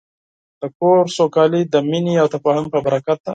د کور سوکالي د مینې او تفاهم په برکت ده.